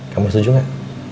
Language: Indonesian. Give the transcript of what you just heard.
kamu setuju gak